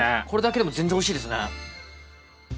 これだけでも全然おいしいですね。